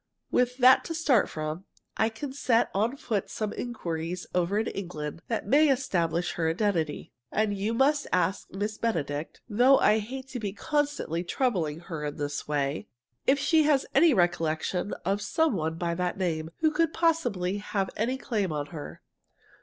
With that to start from, I can set on foot some inquiries over in England that may establish her identity. And you must ask Miss Benedict (though I hate to be constantly troubling her in this way) if she has any recollection of some one by that name who could possibly have any claim on her.